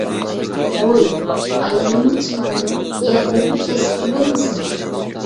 ھوي، ئايالىممۇ چىقامدۇ؟ يا ئۇ بۇ كەسىپتە بولمىسا.